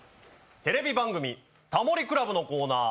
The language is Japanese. テレビ番組「タモリ倶楽部」のコーナー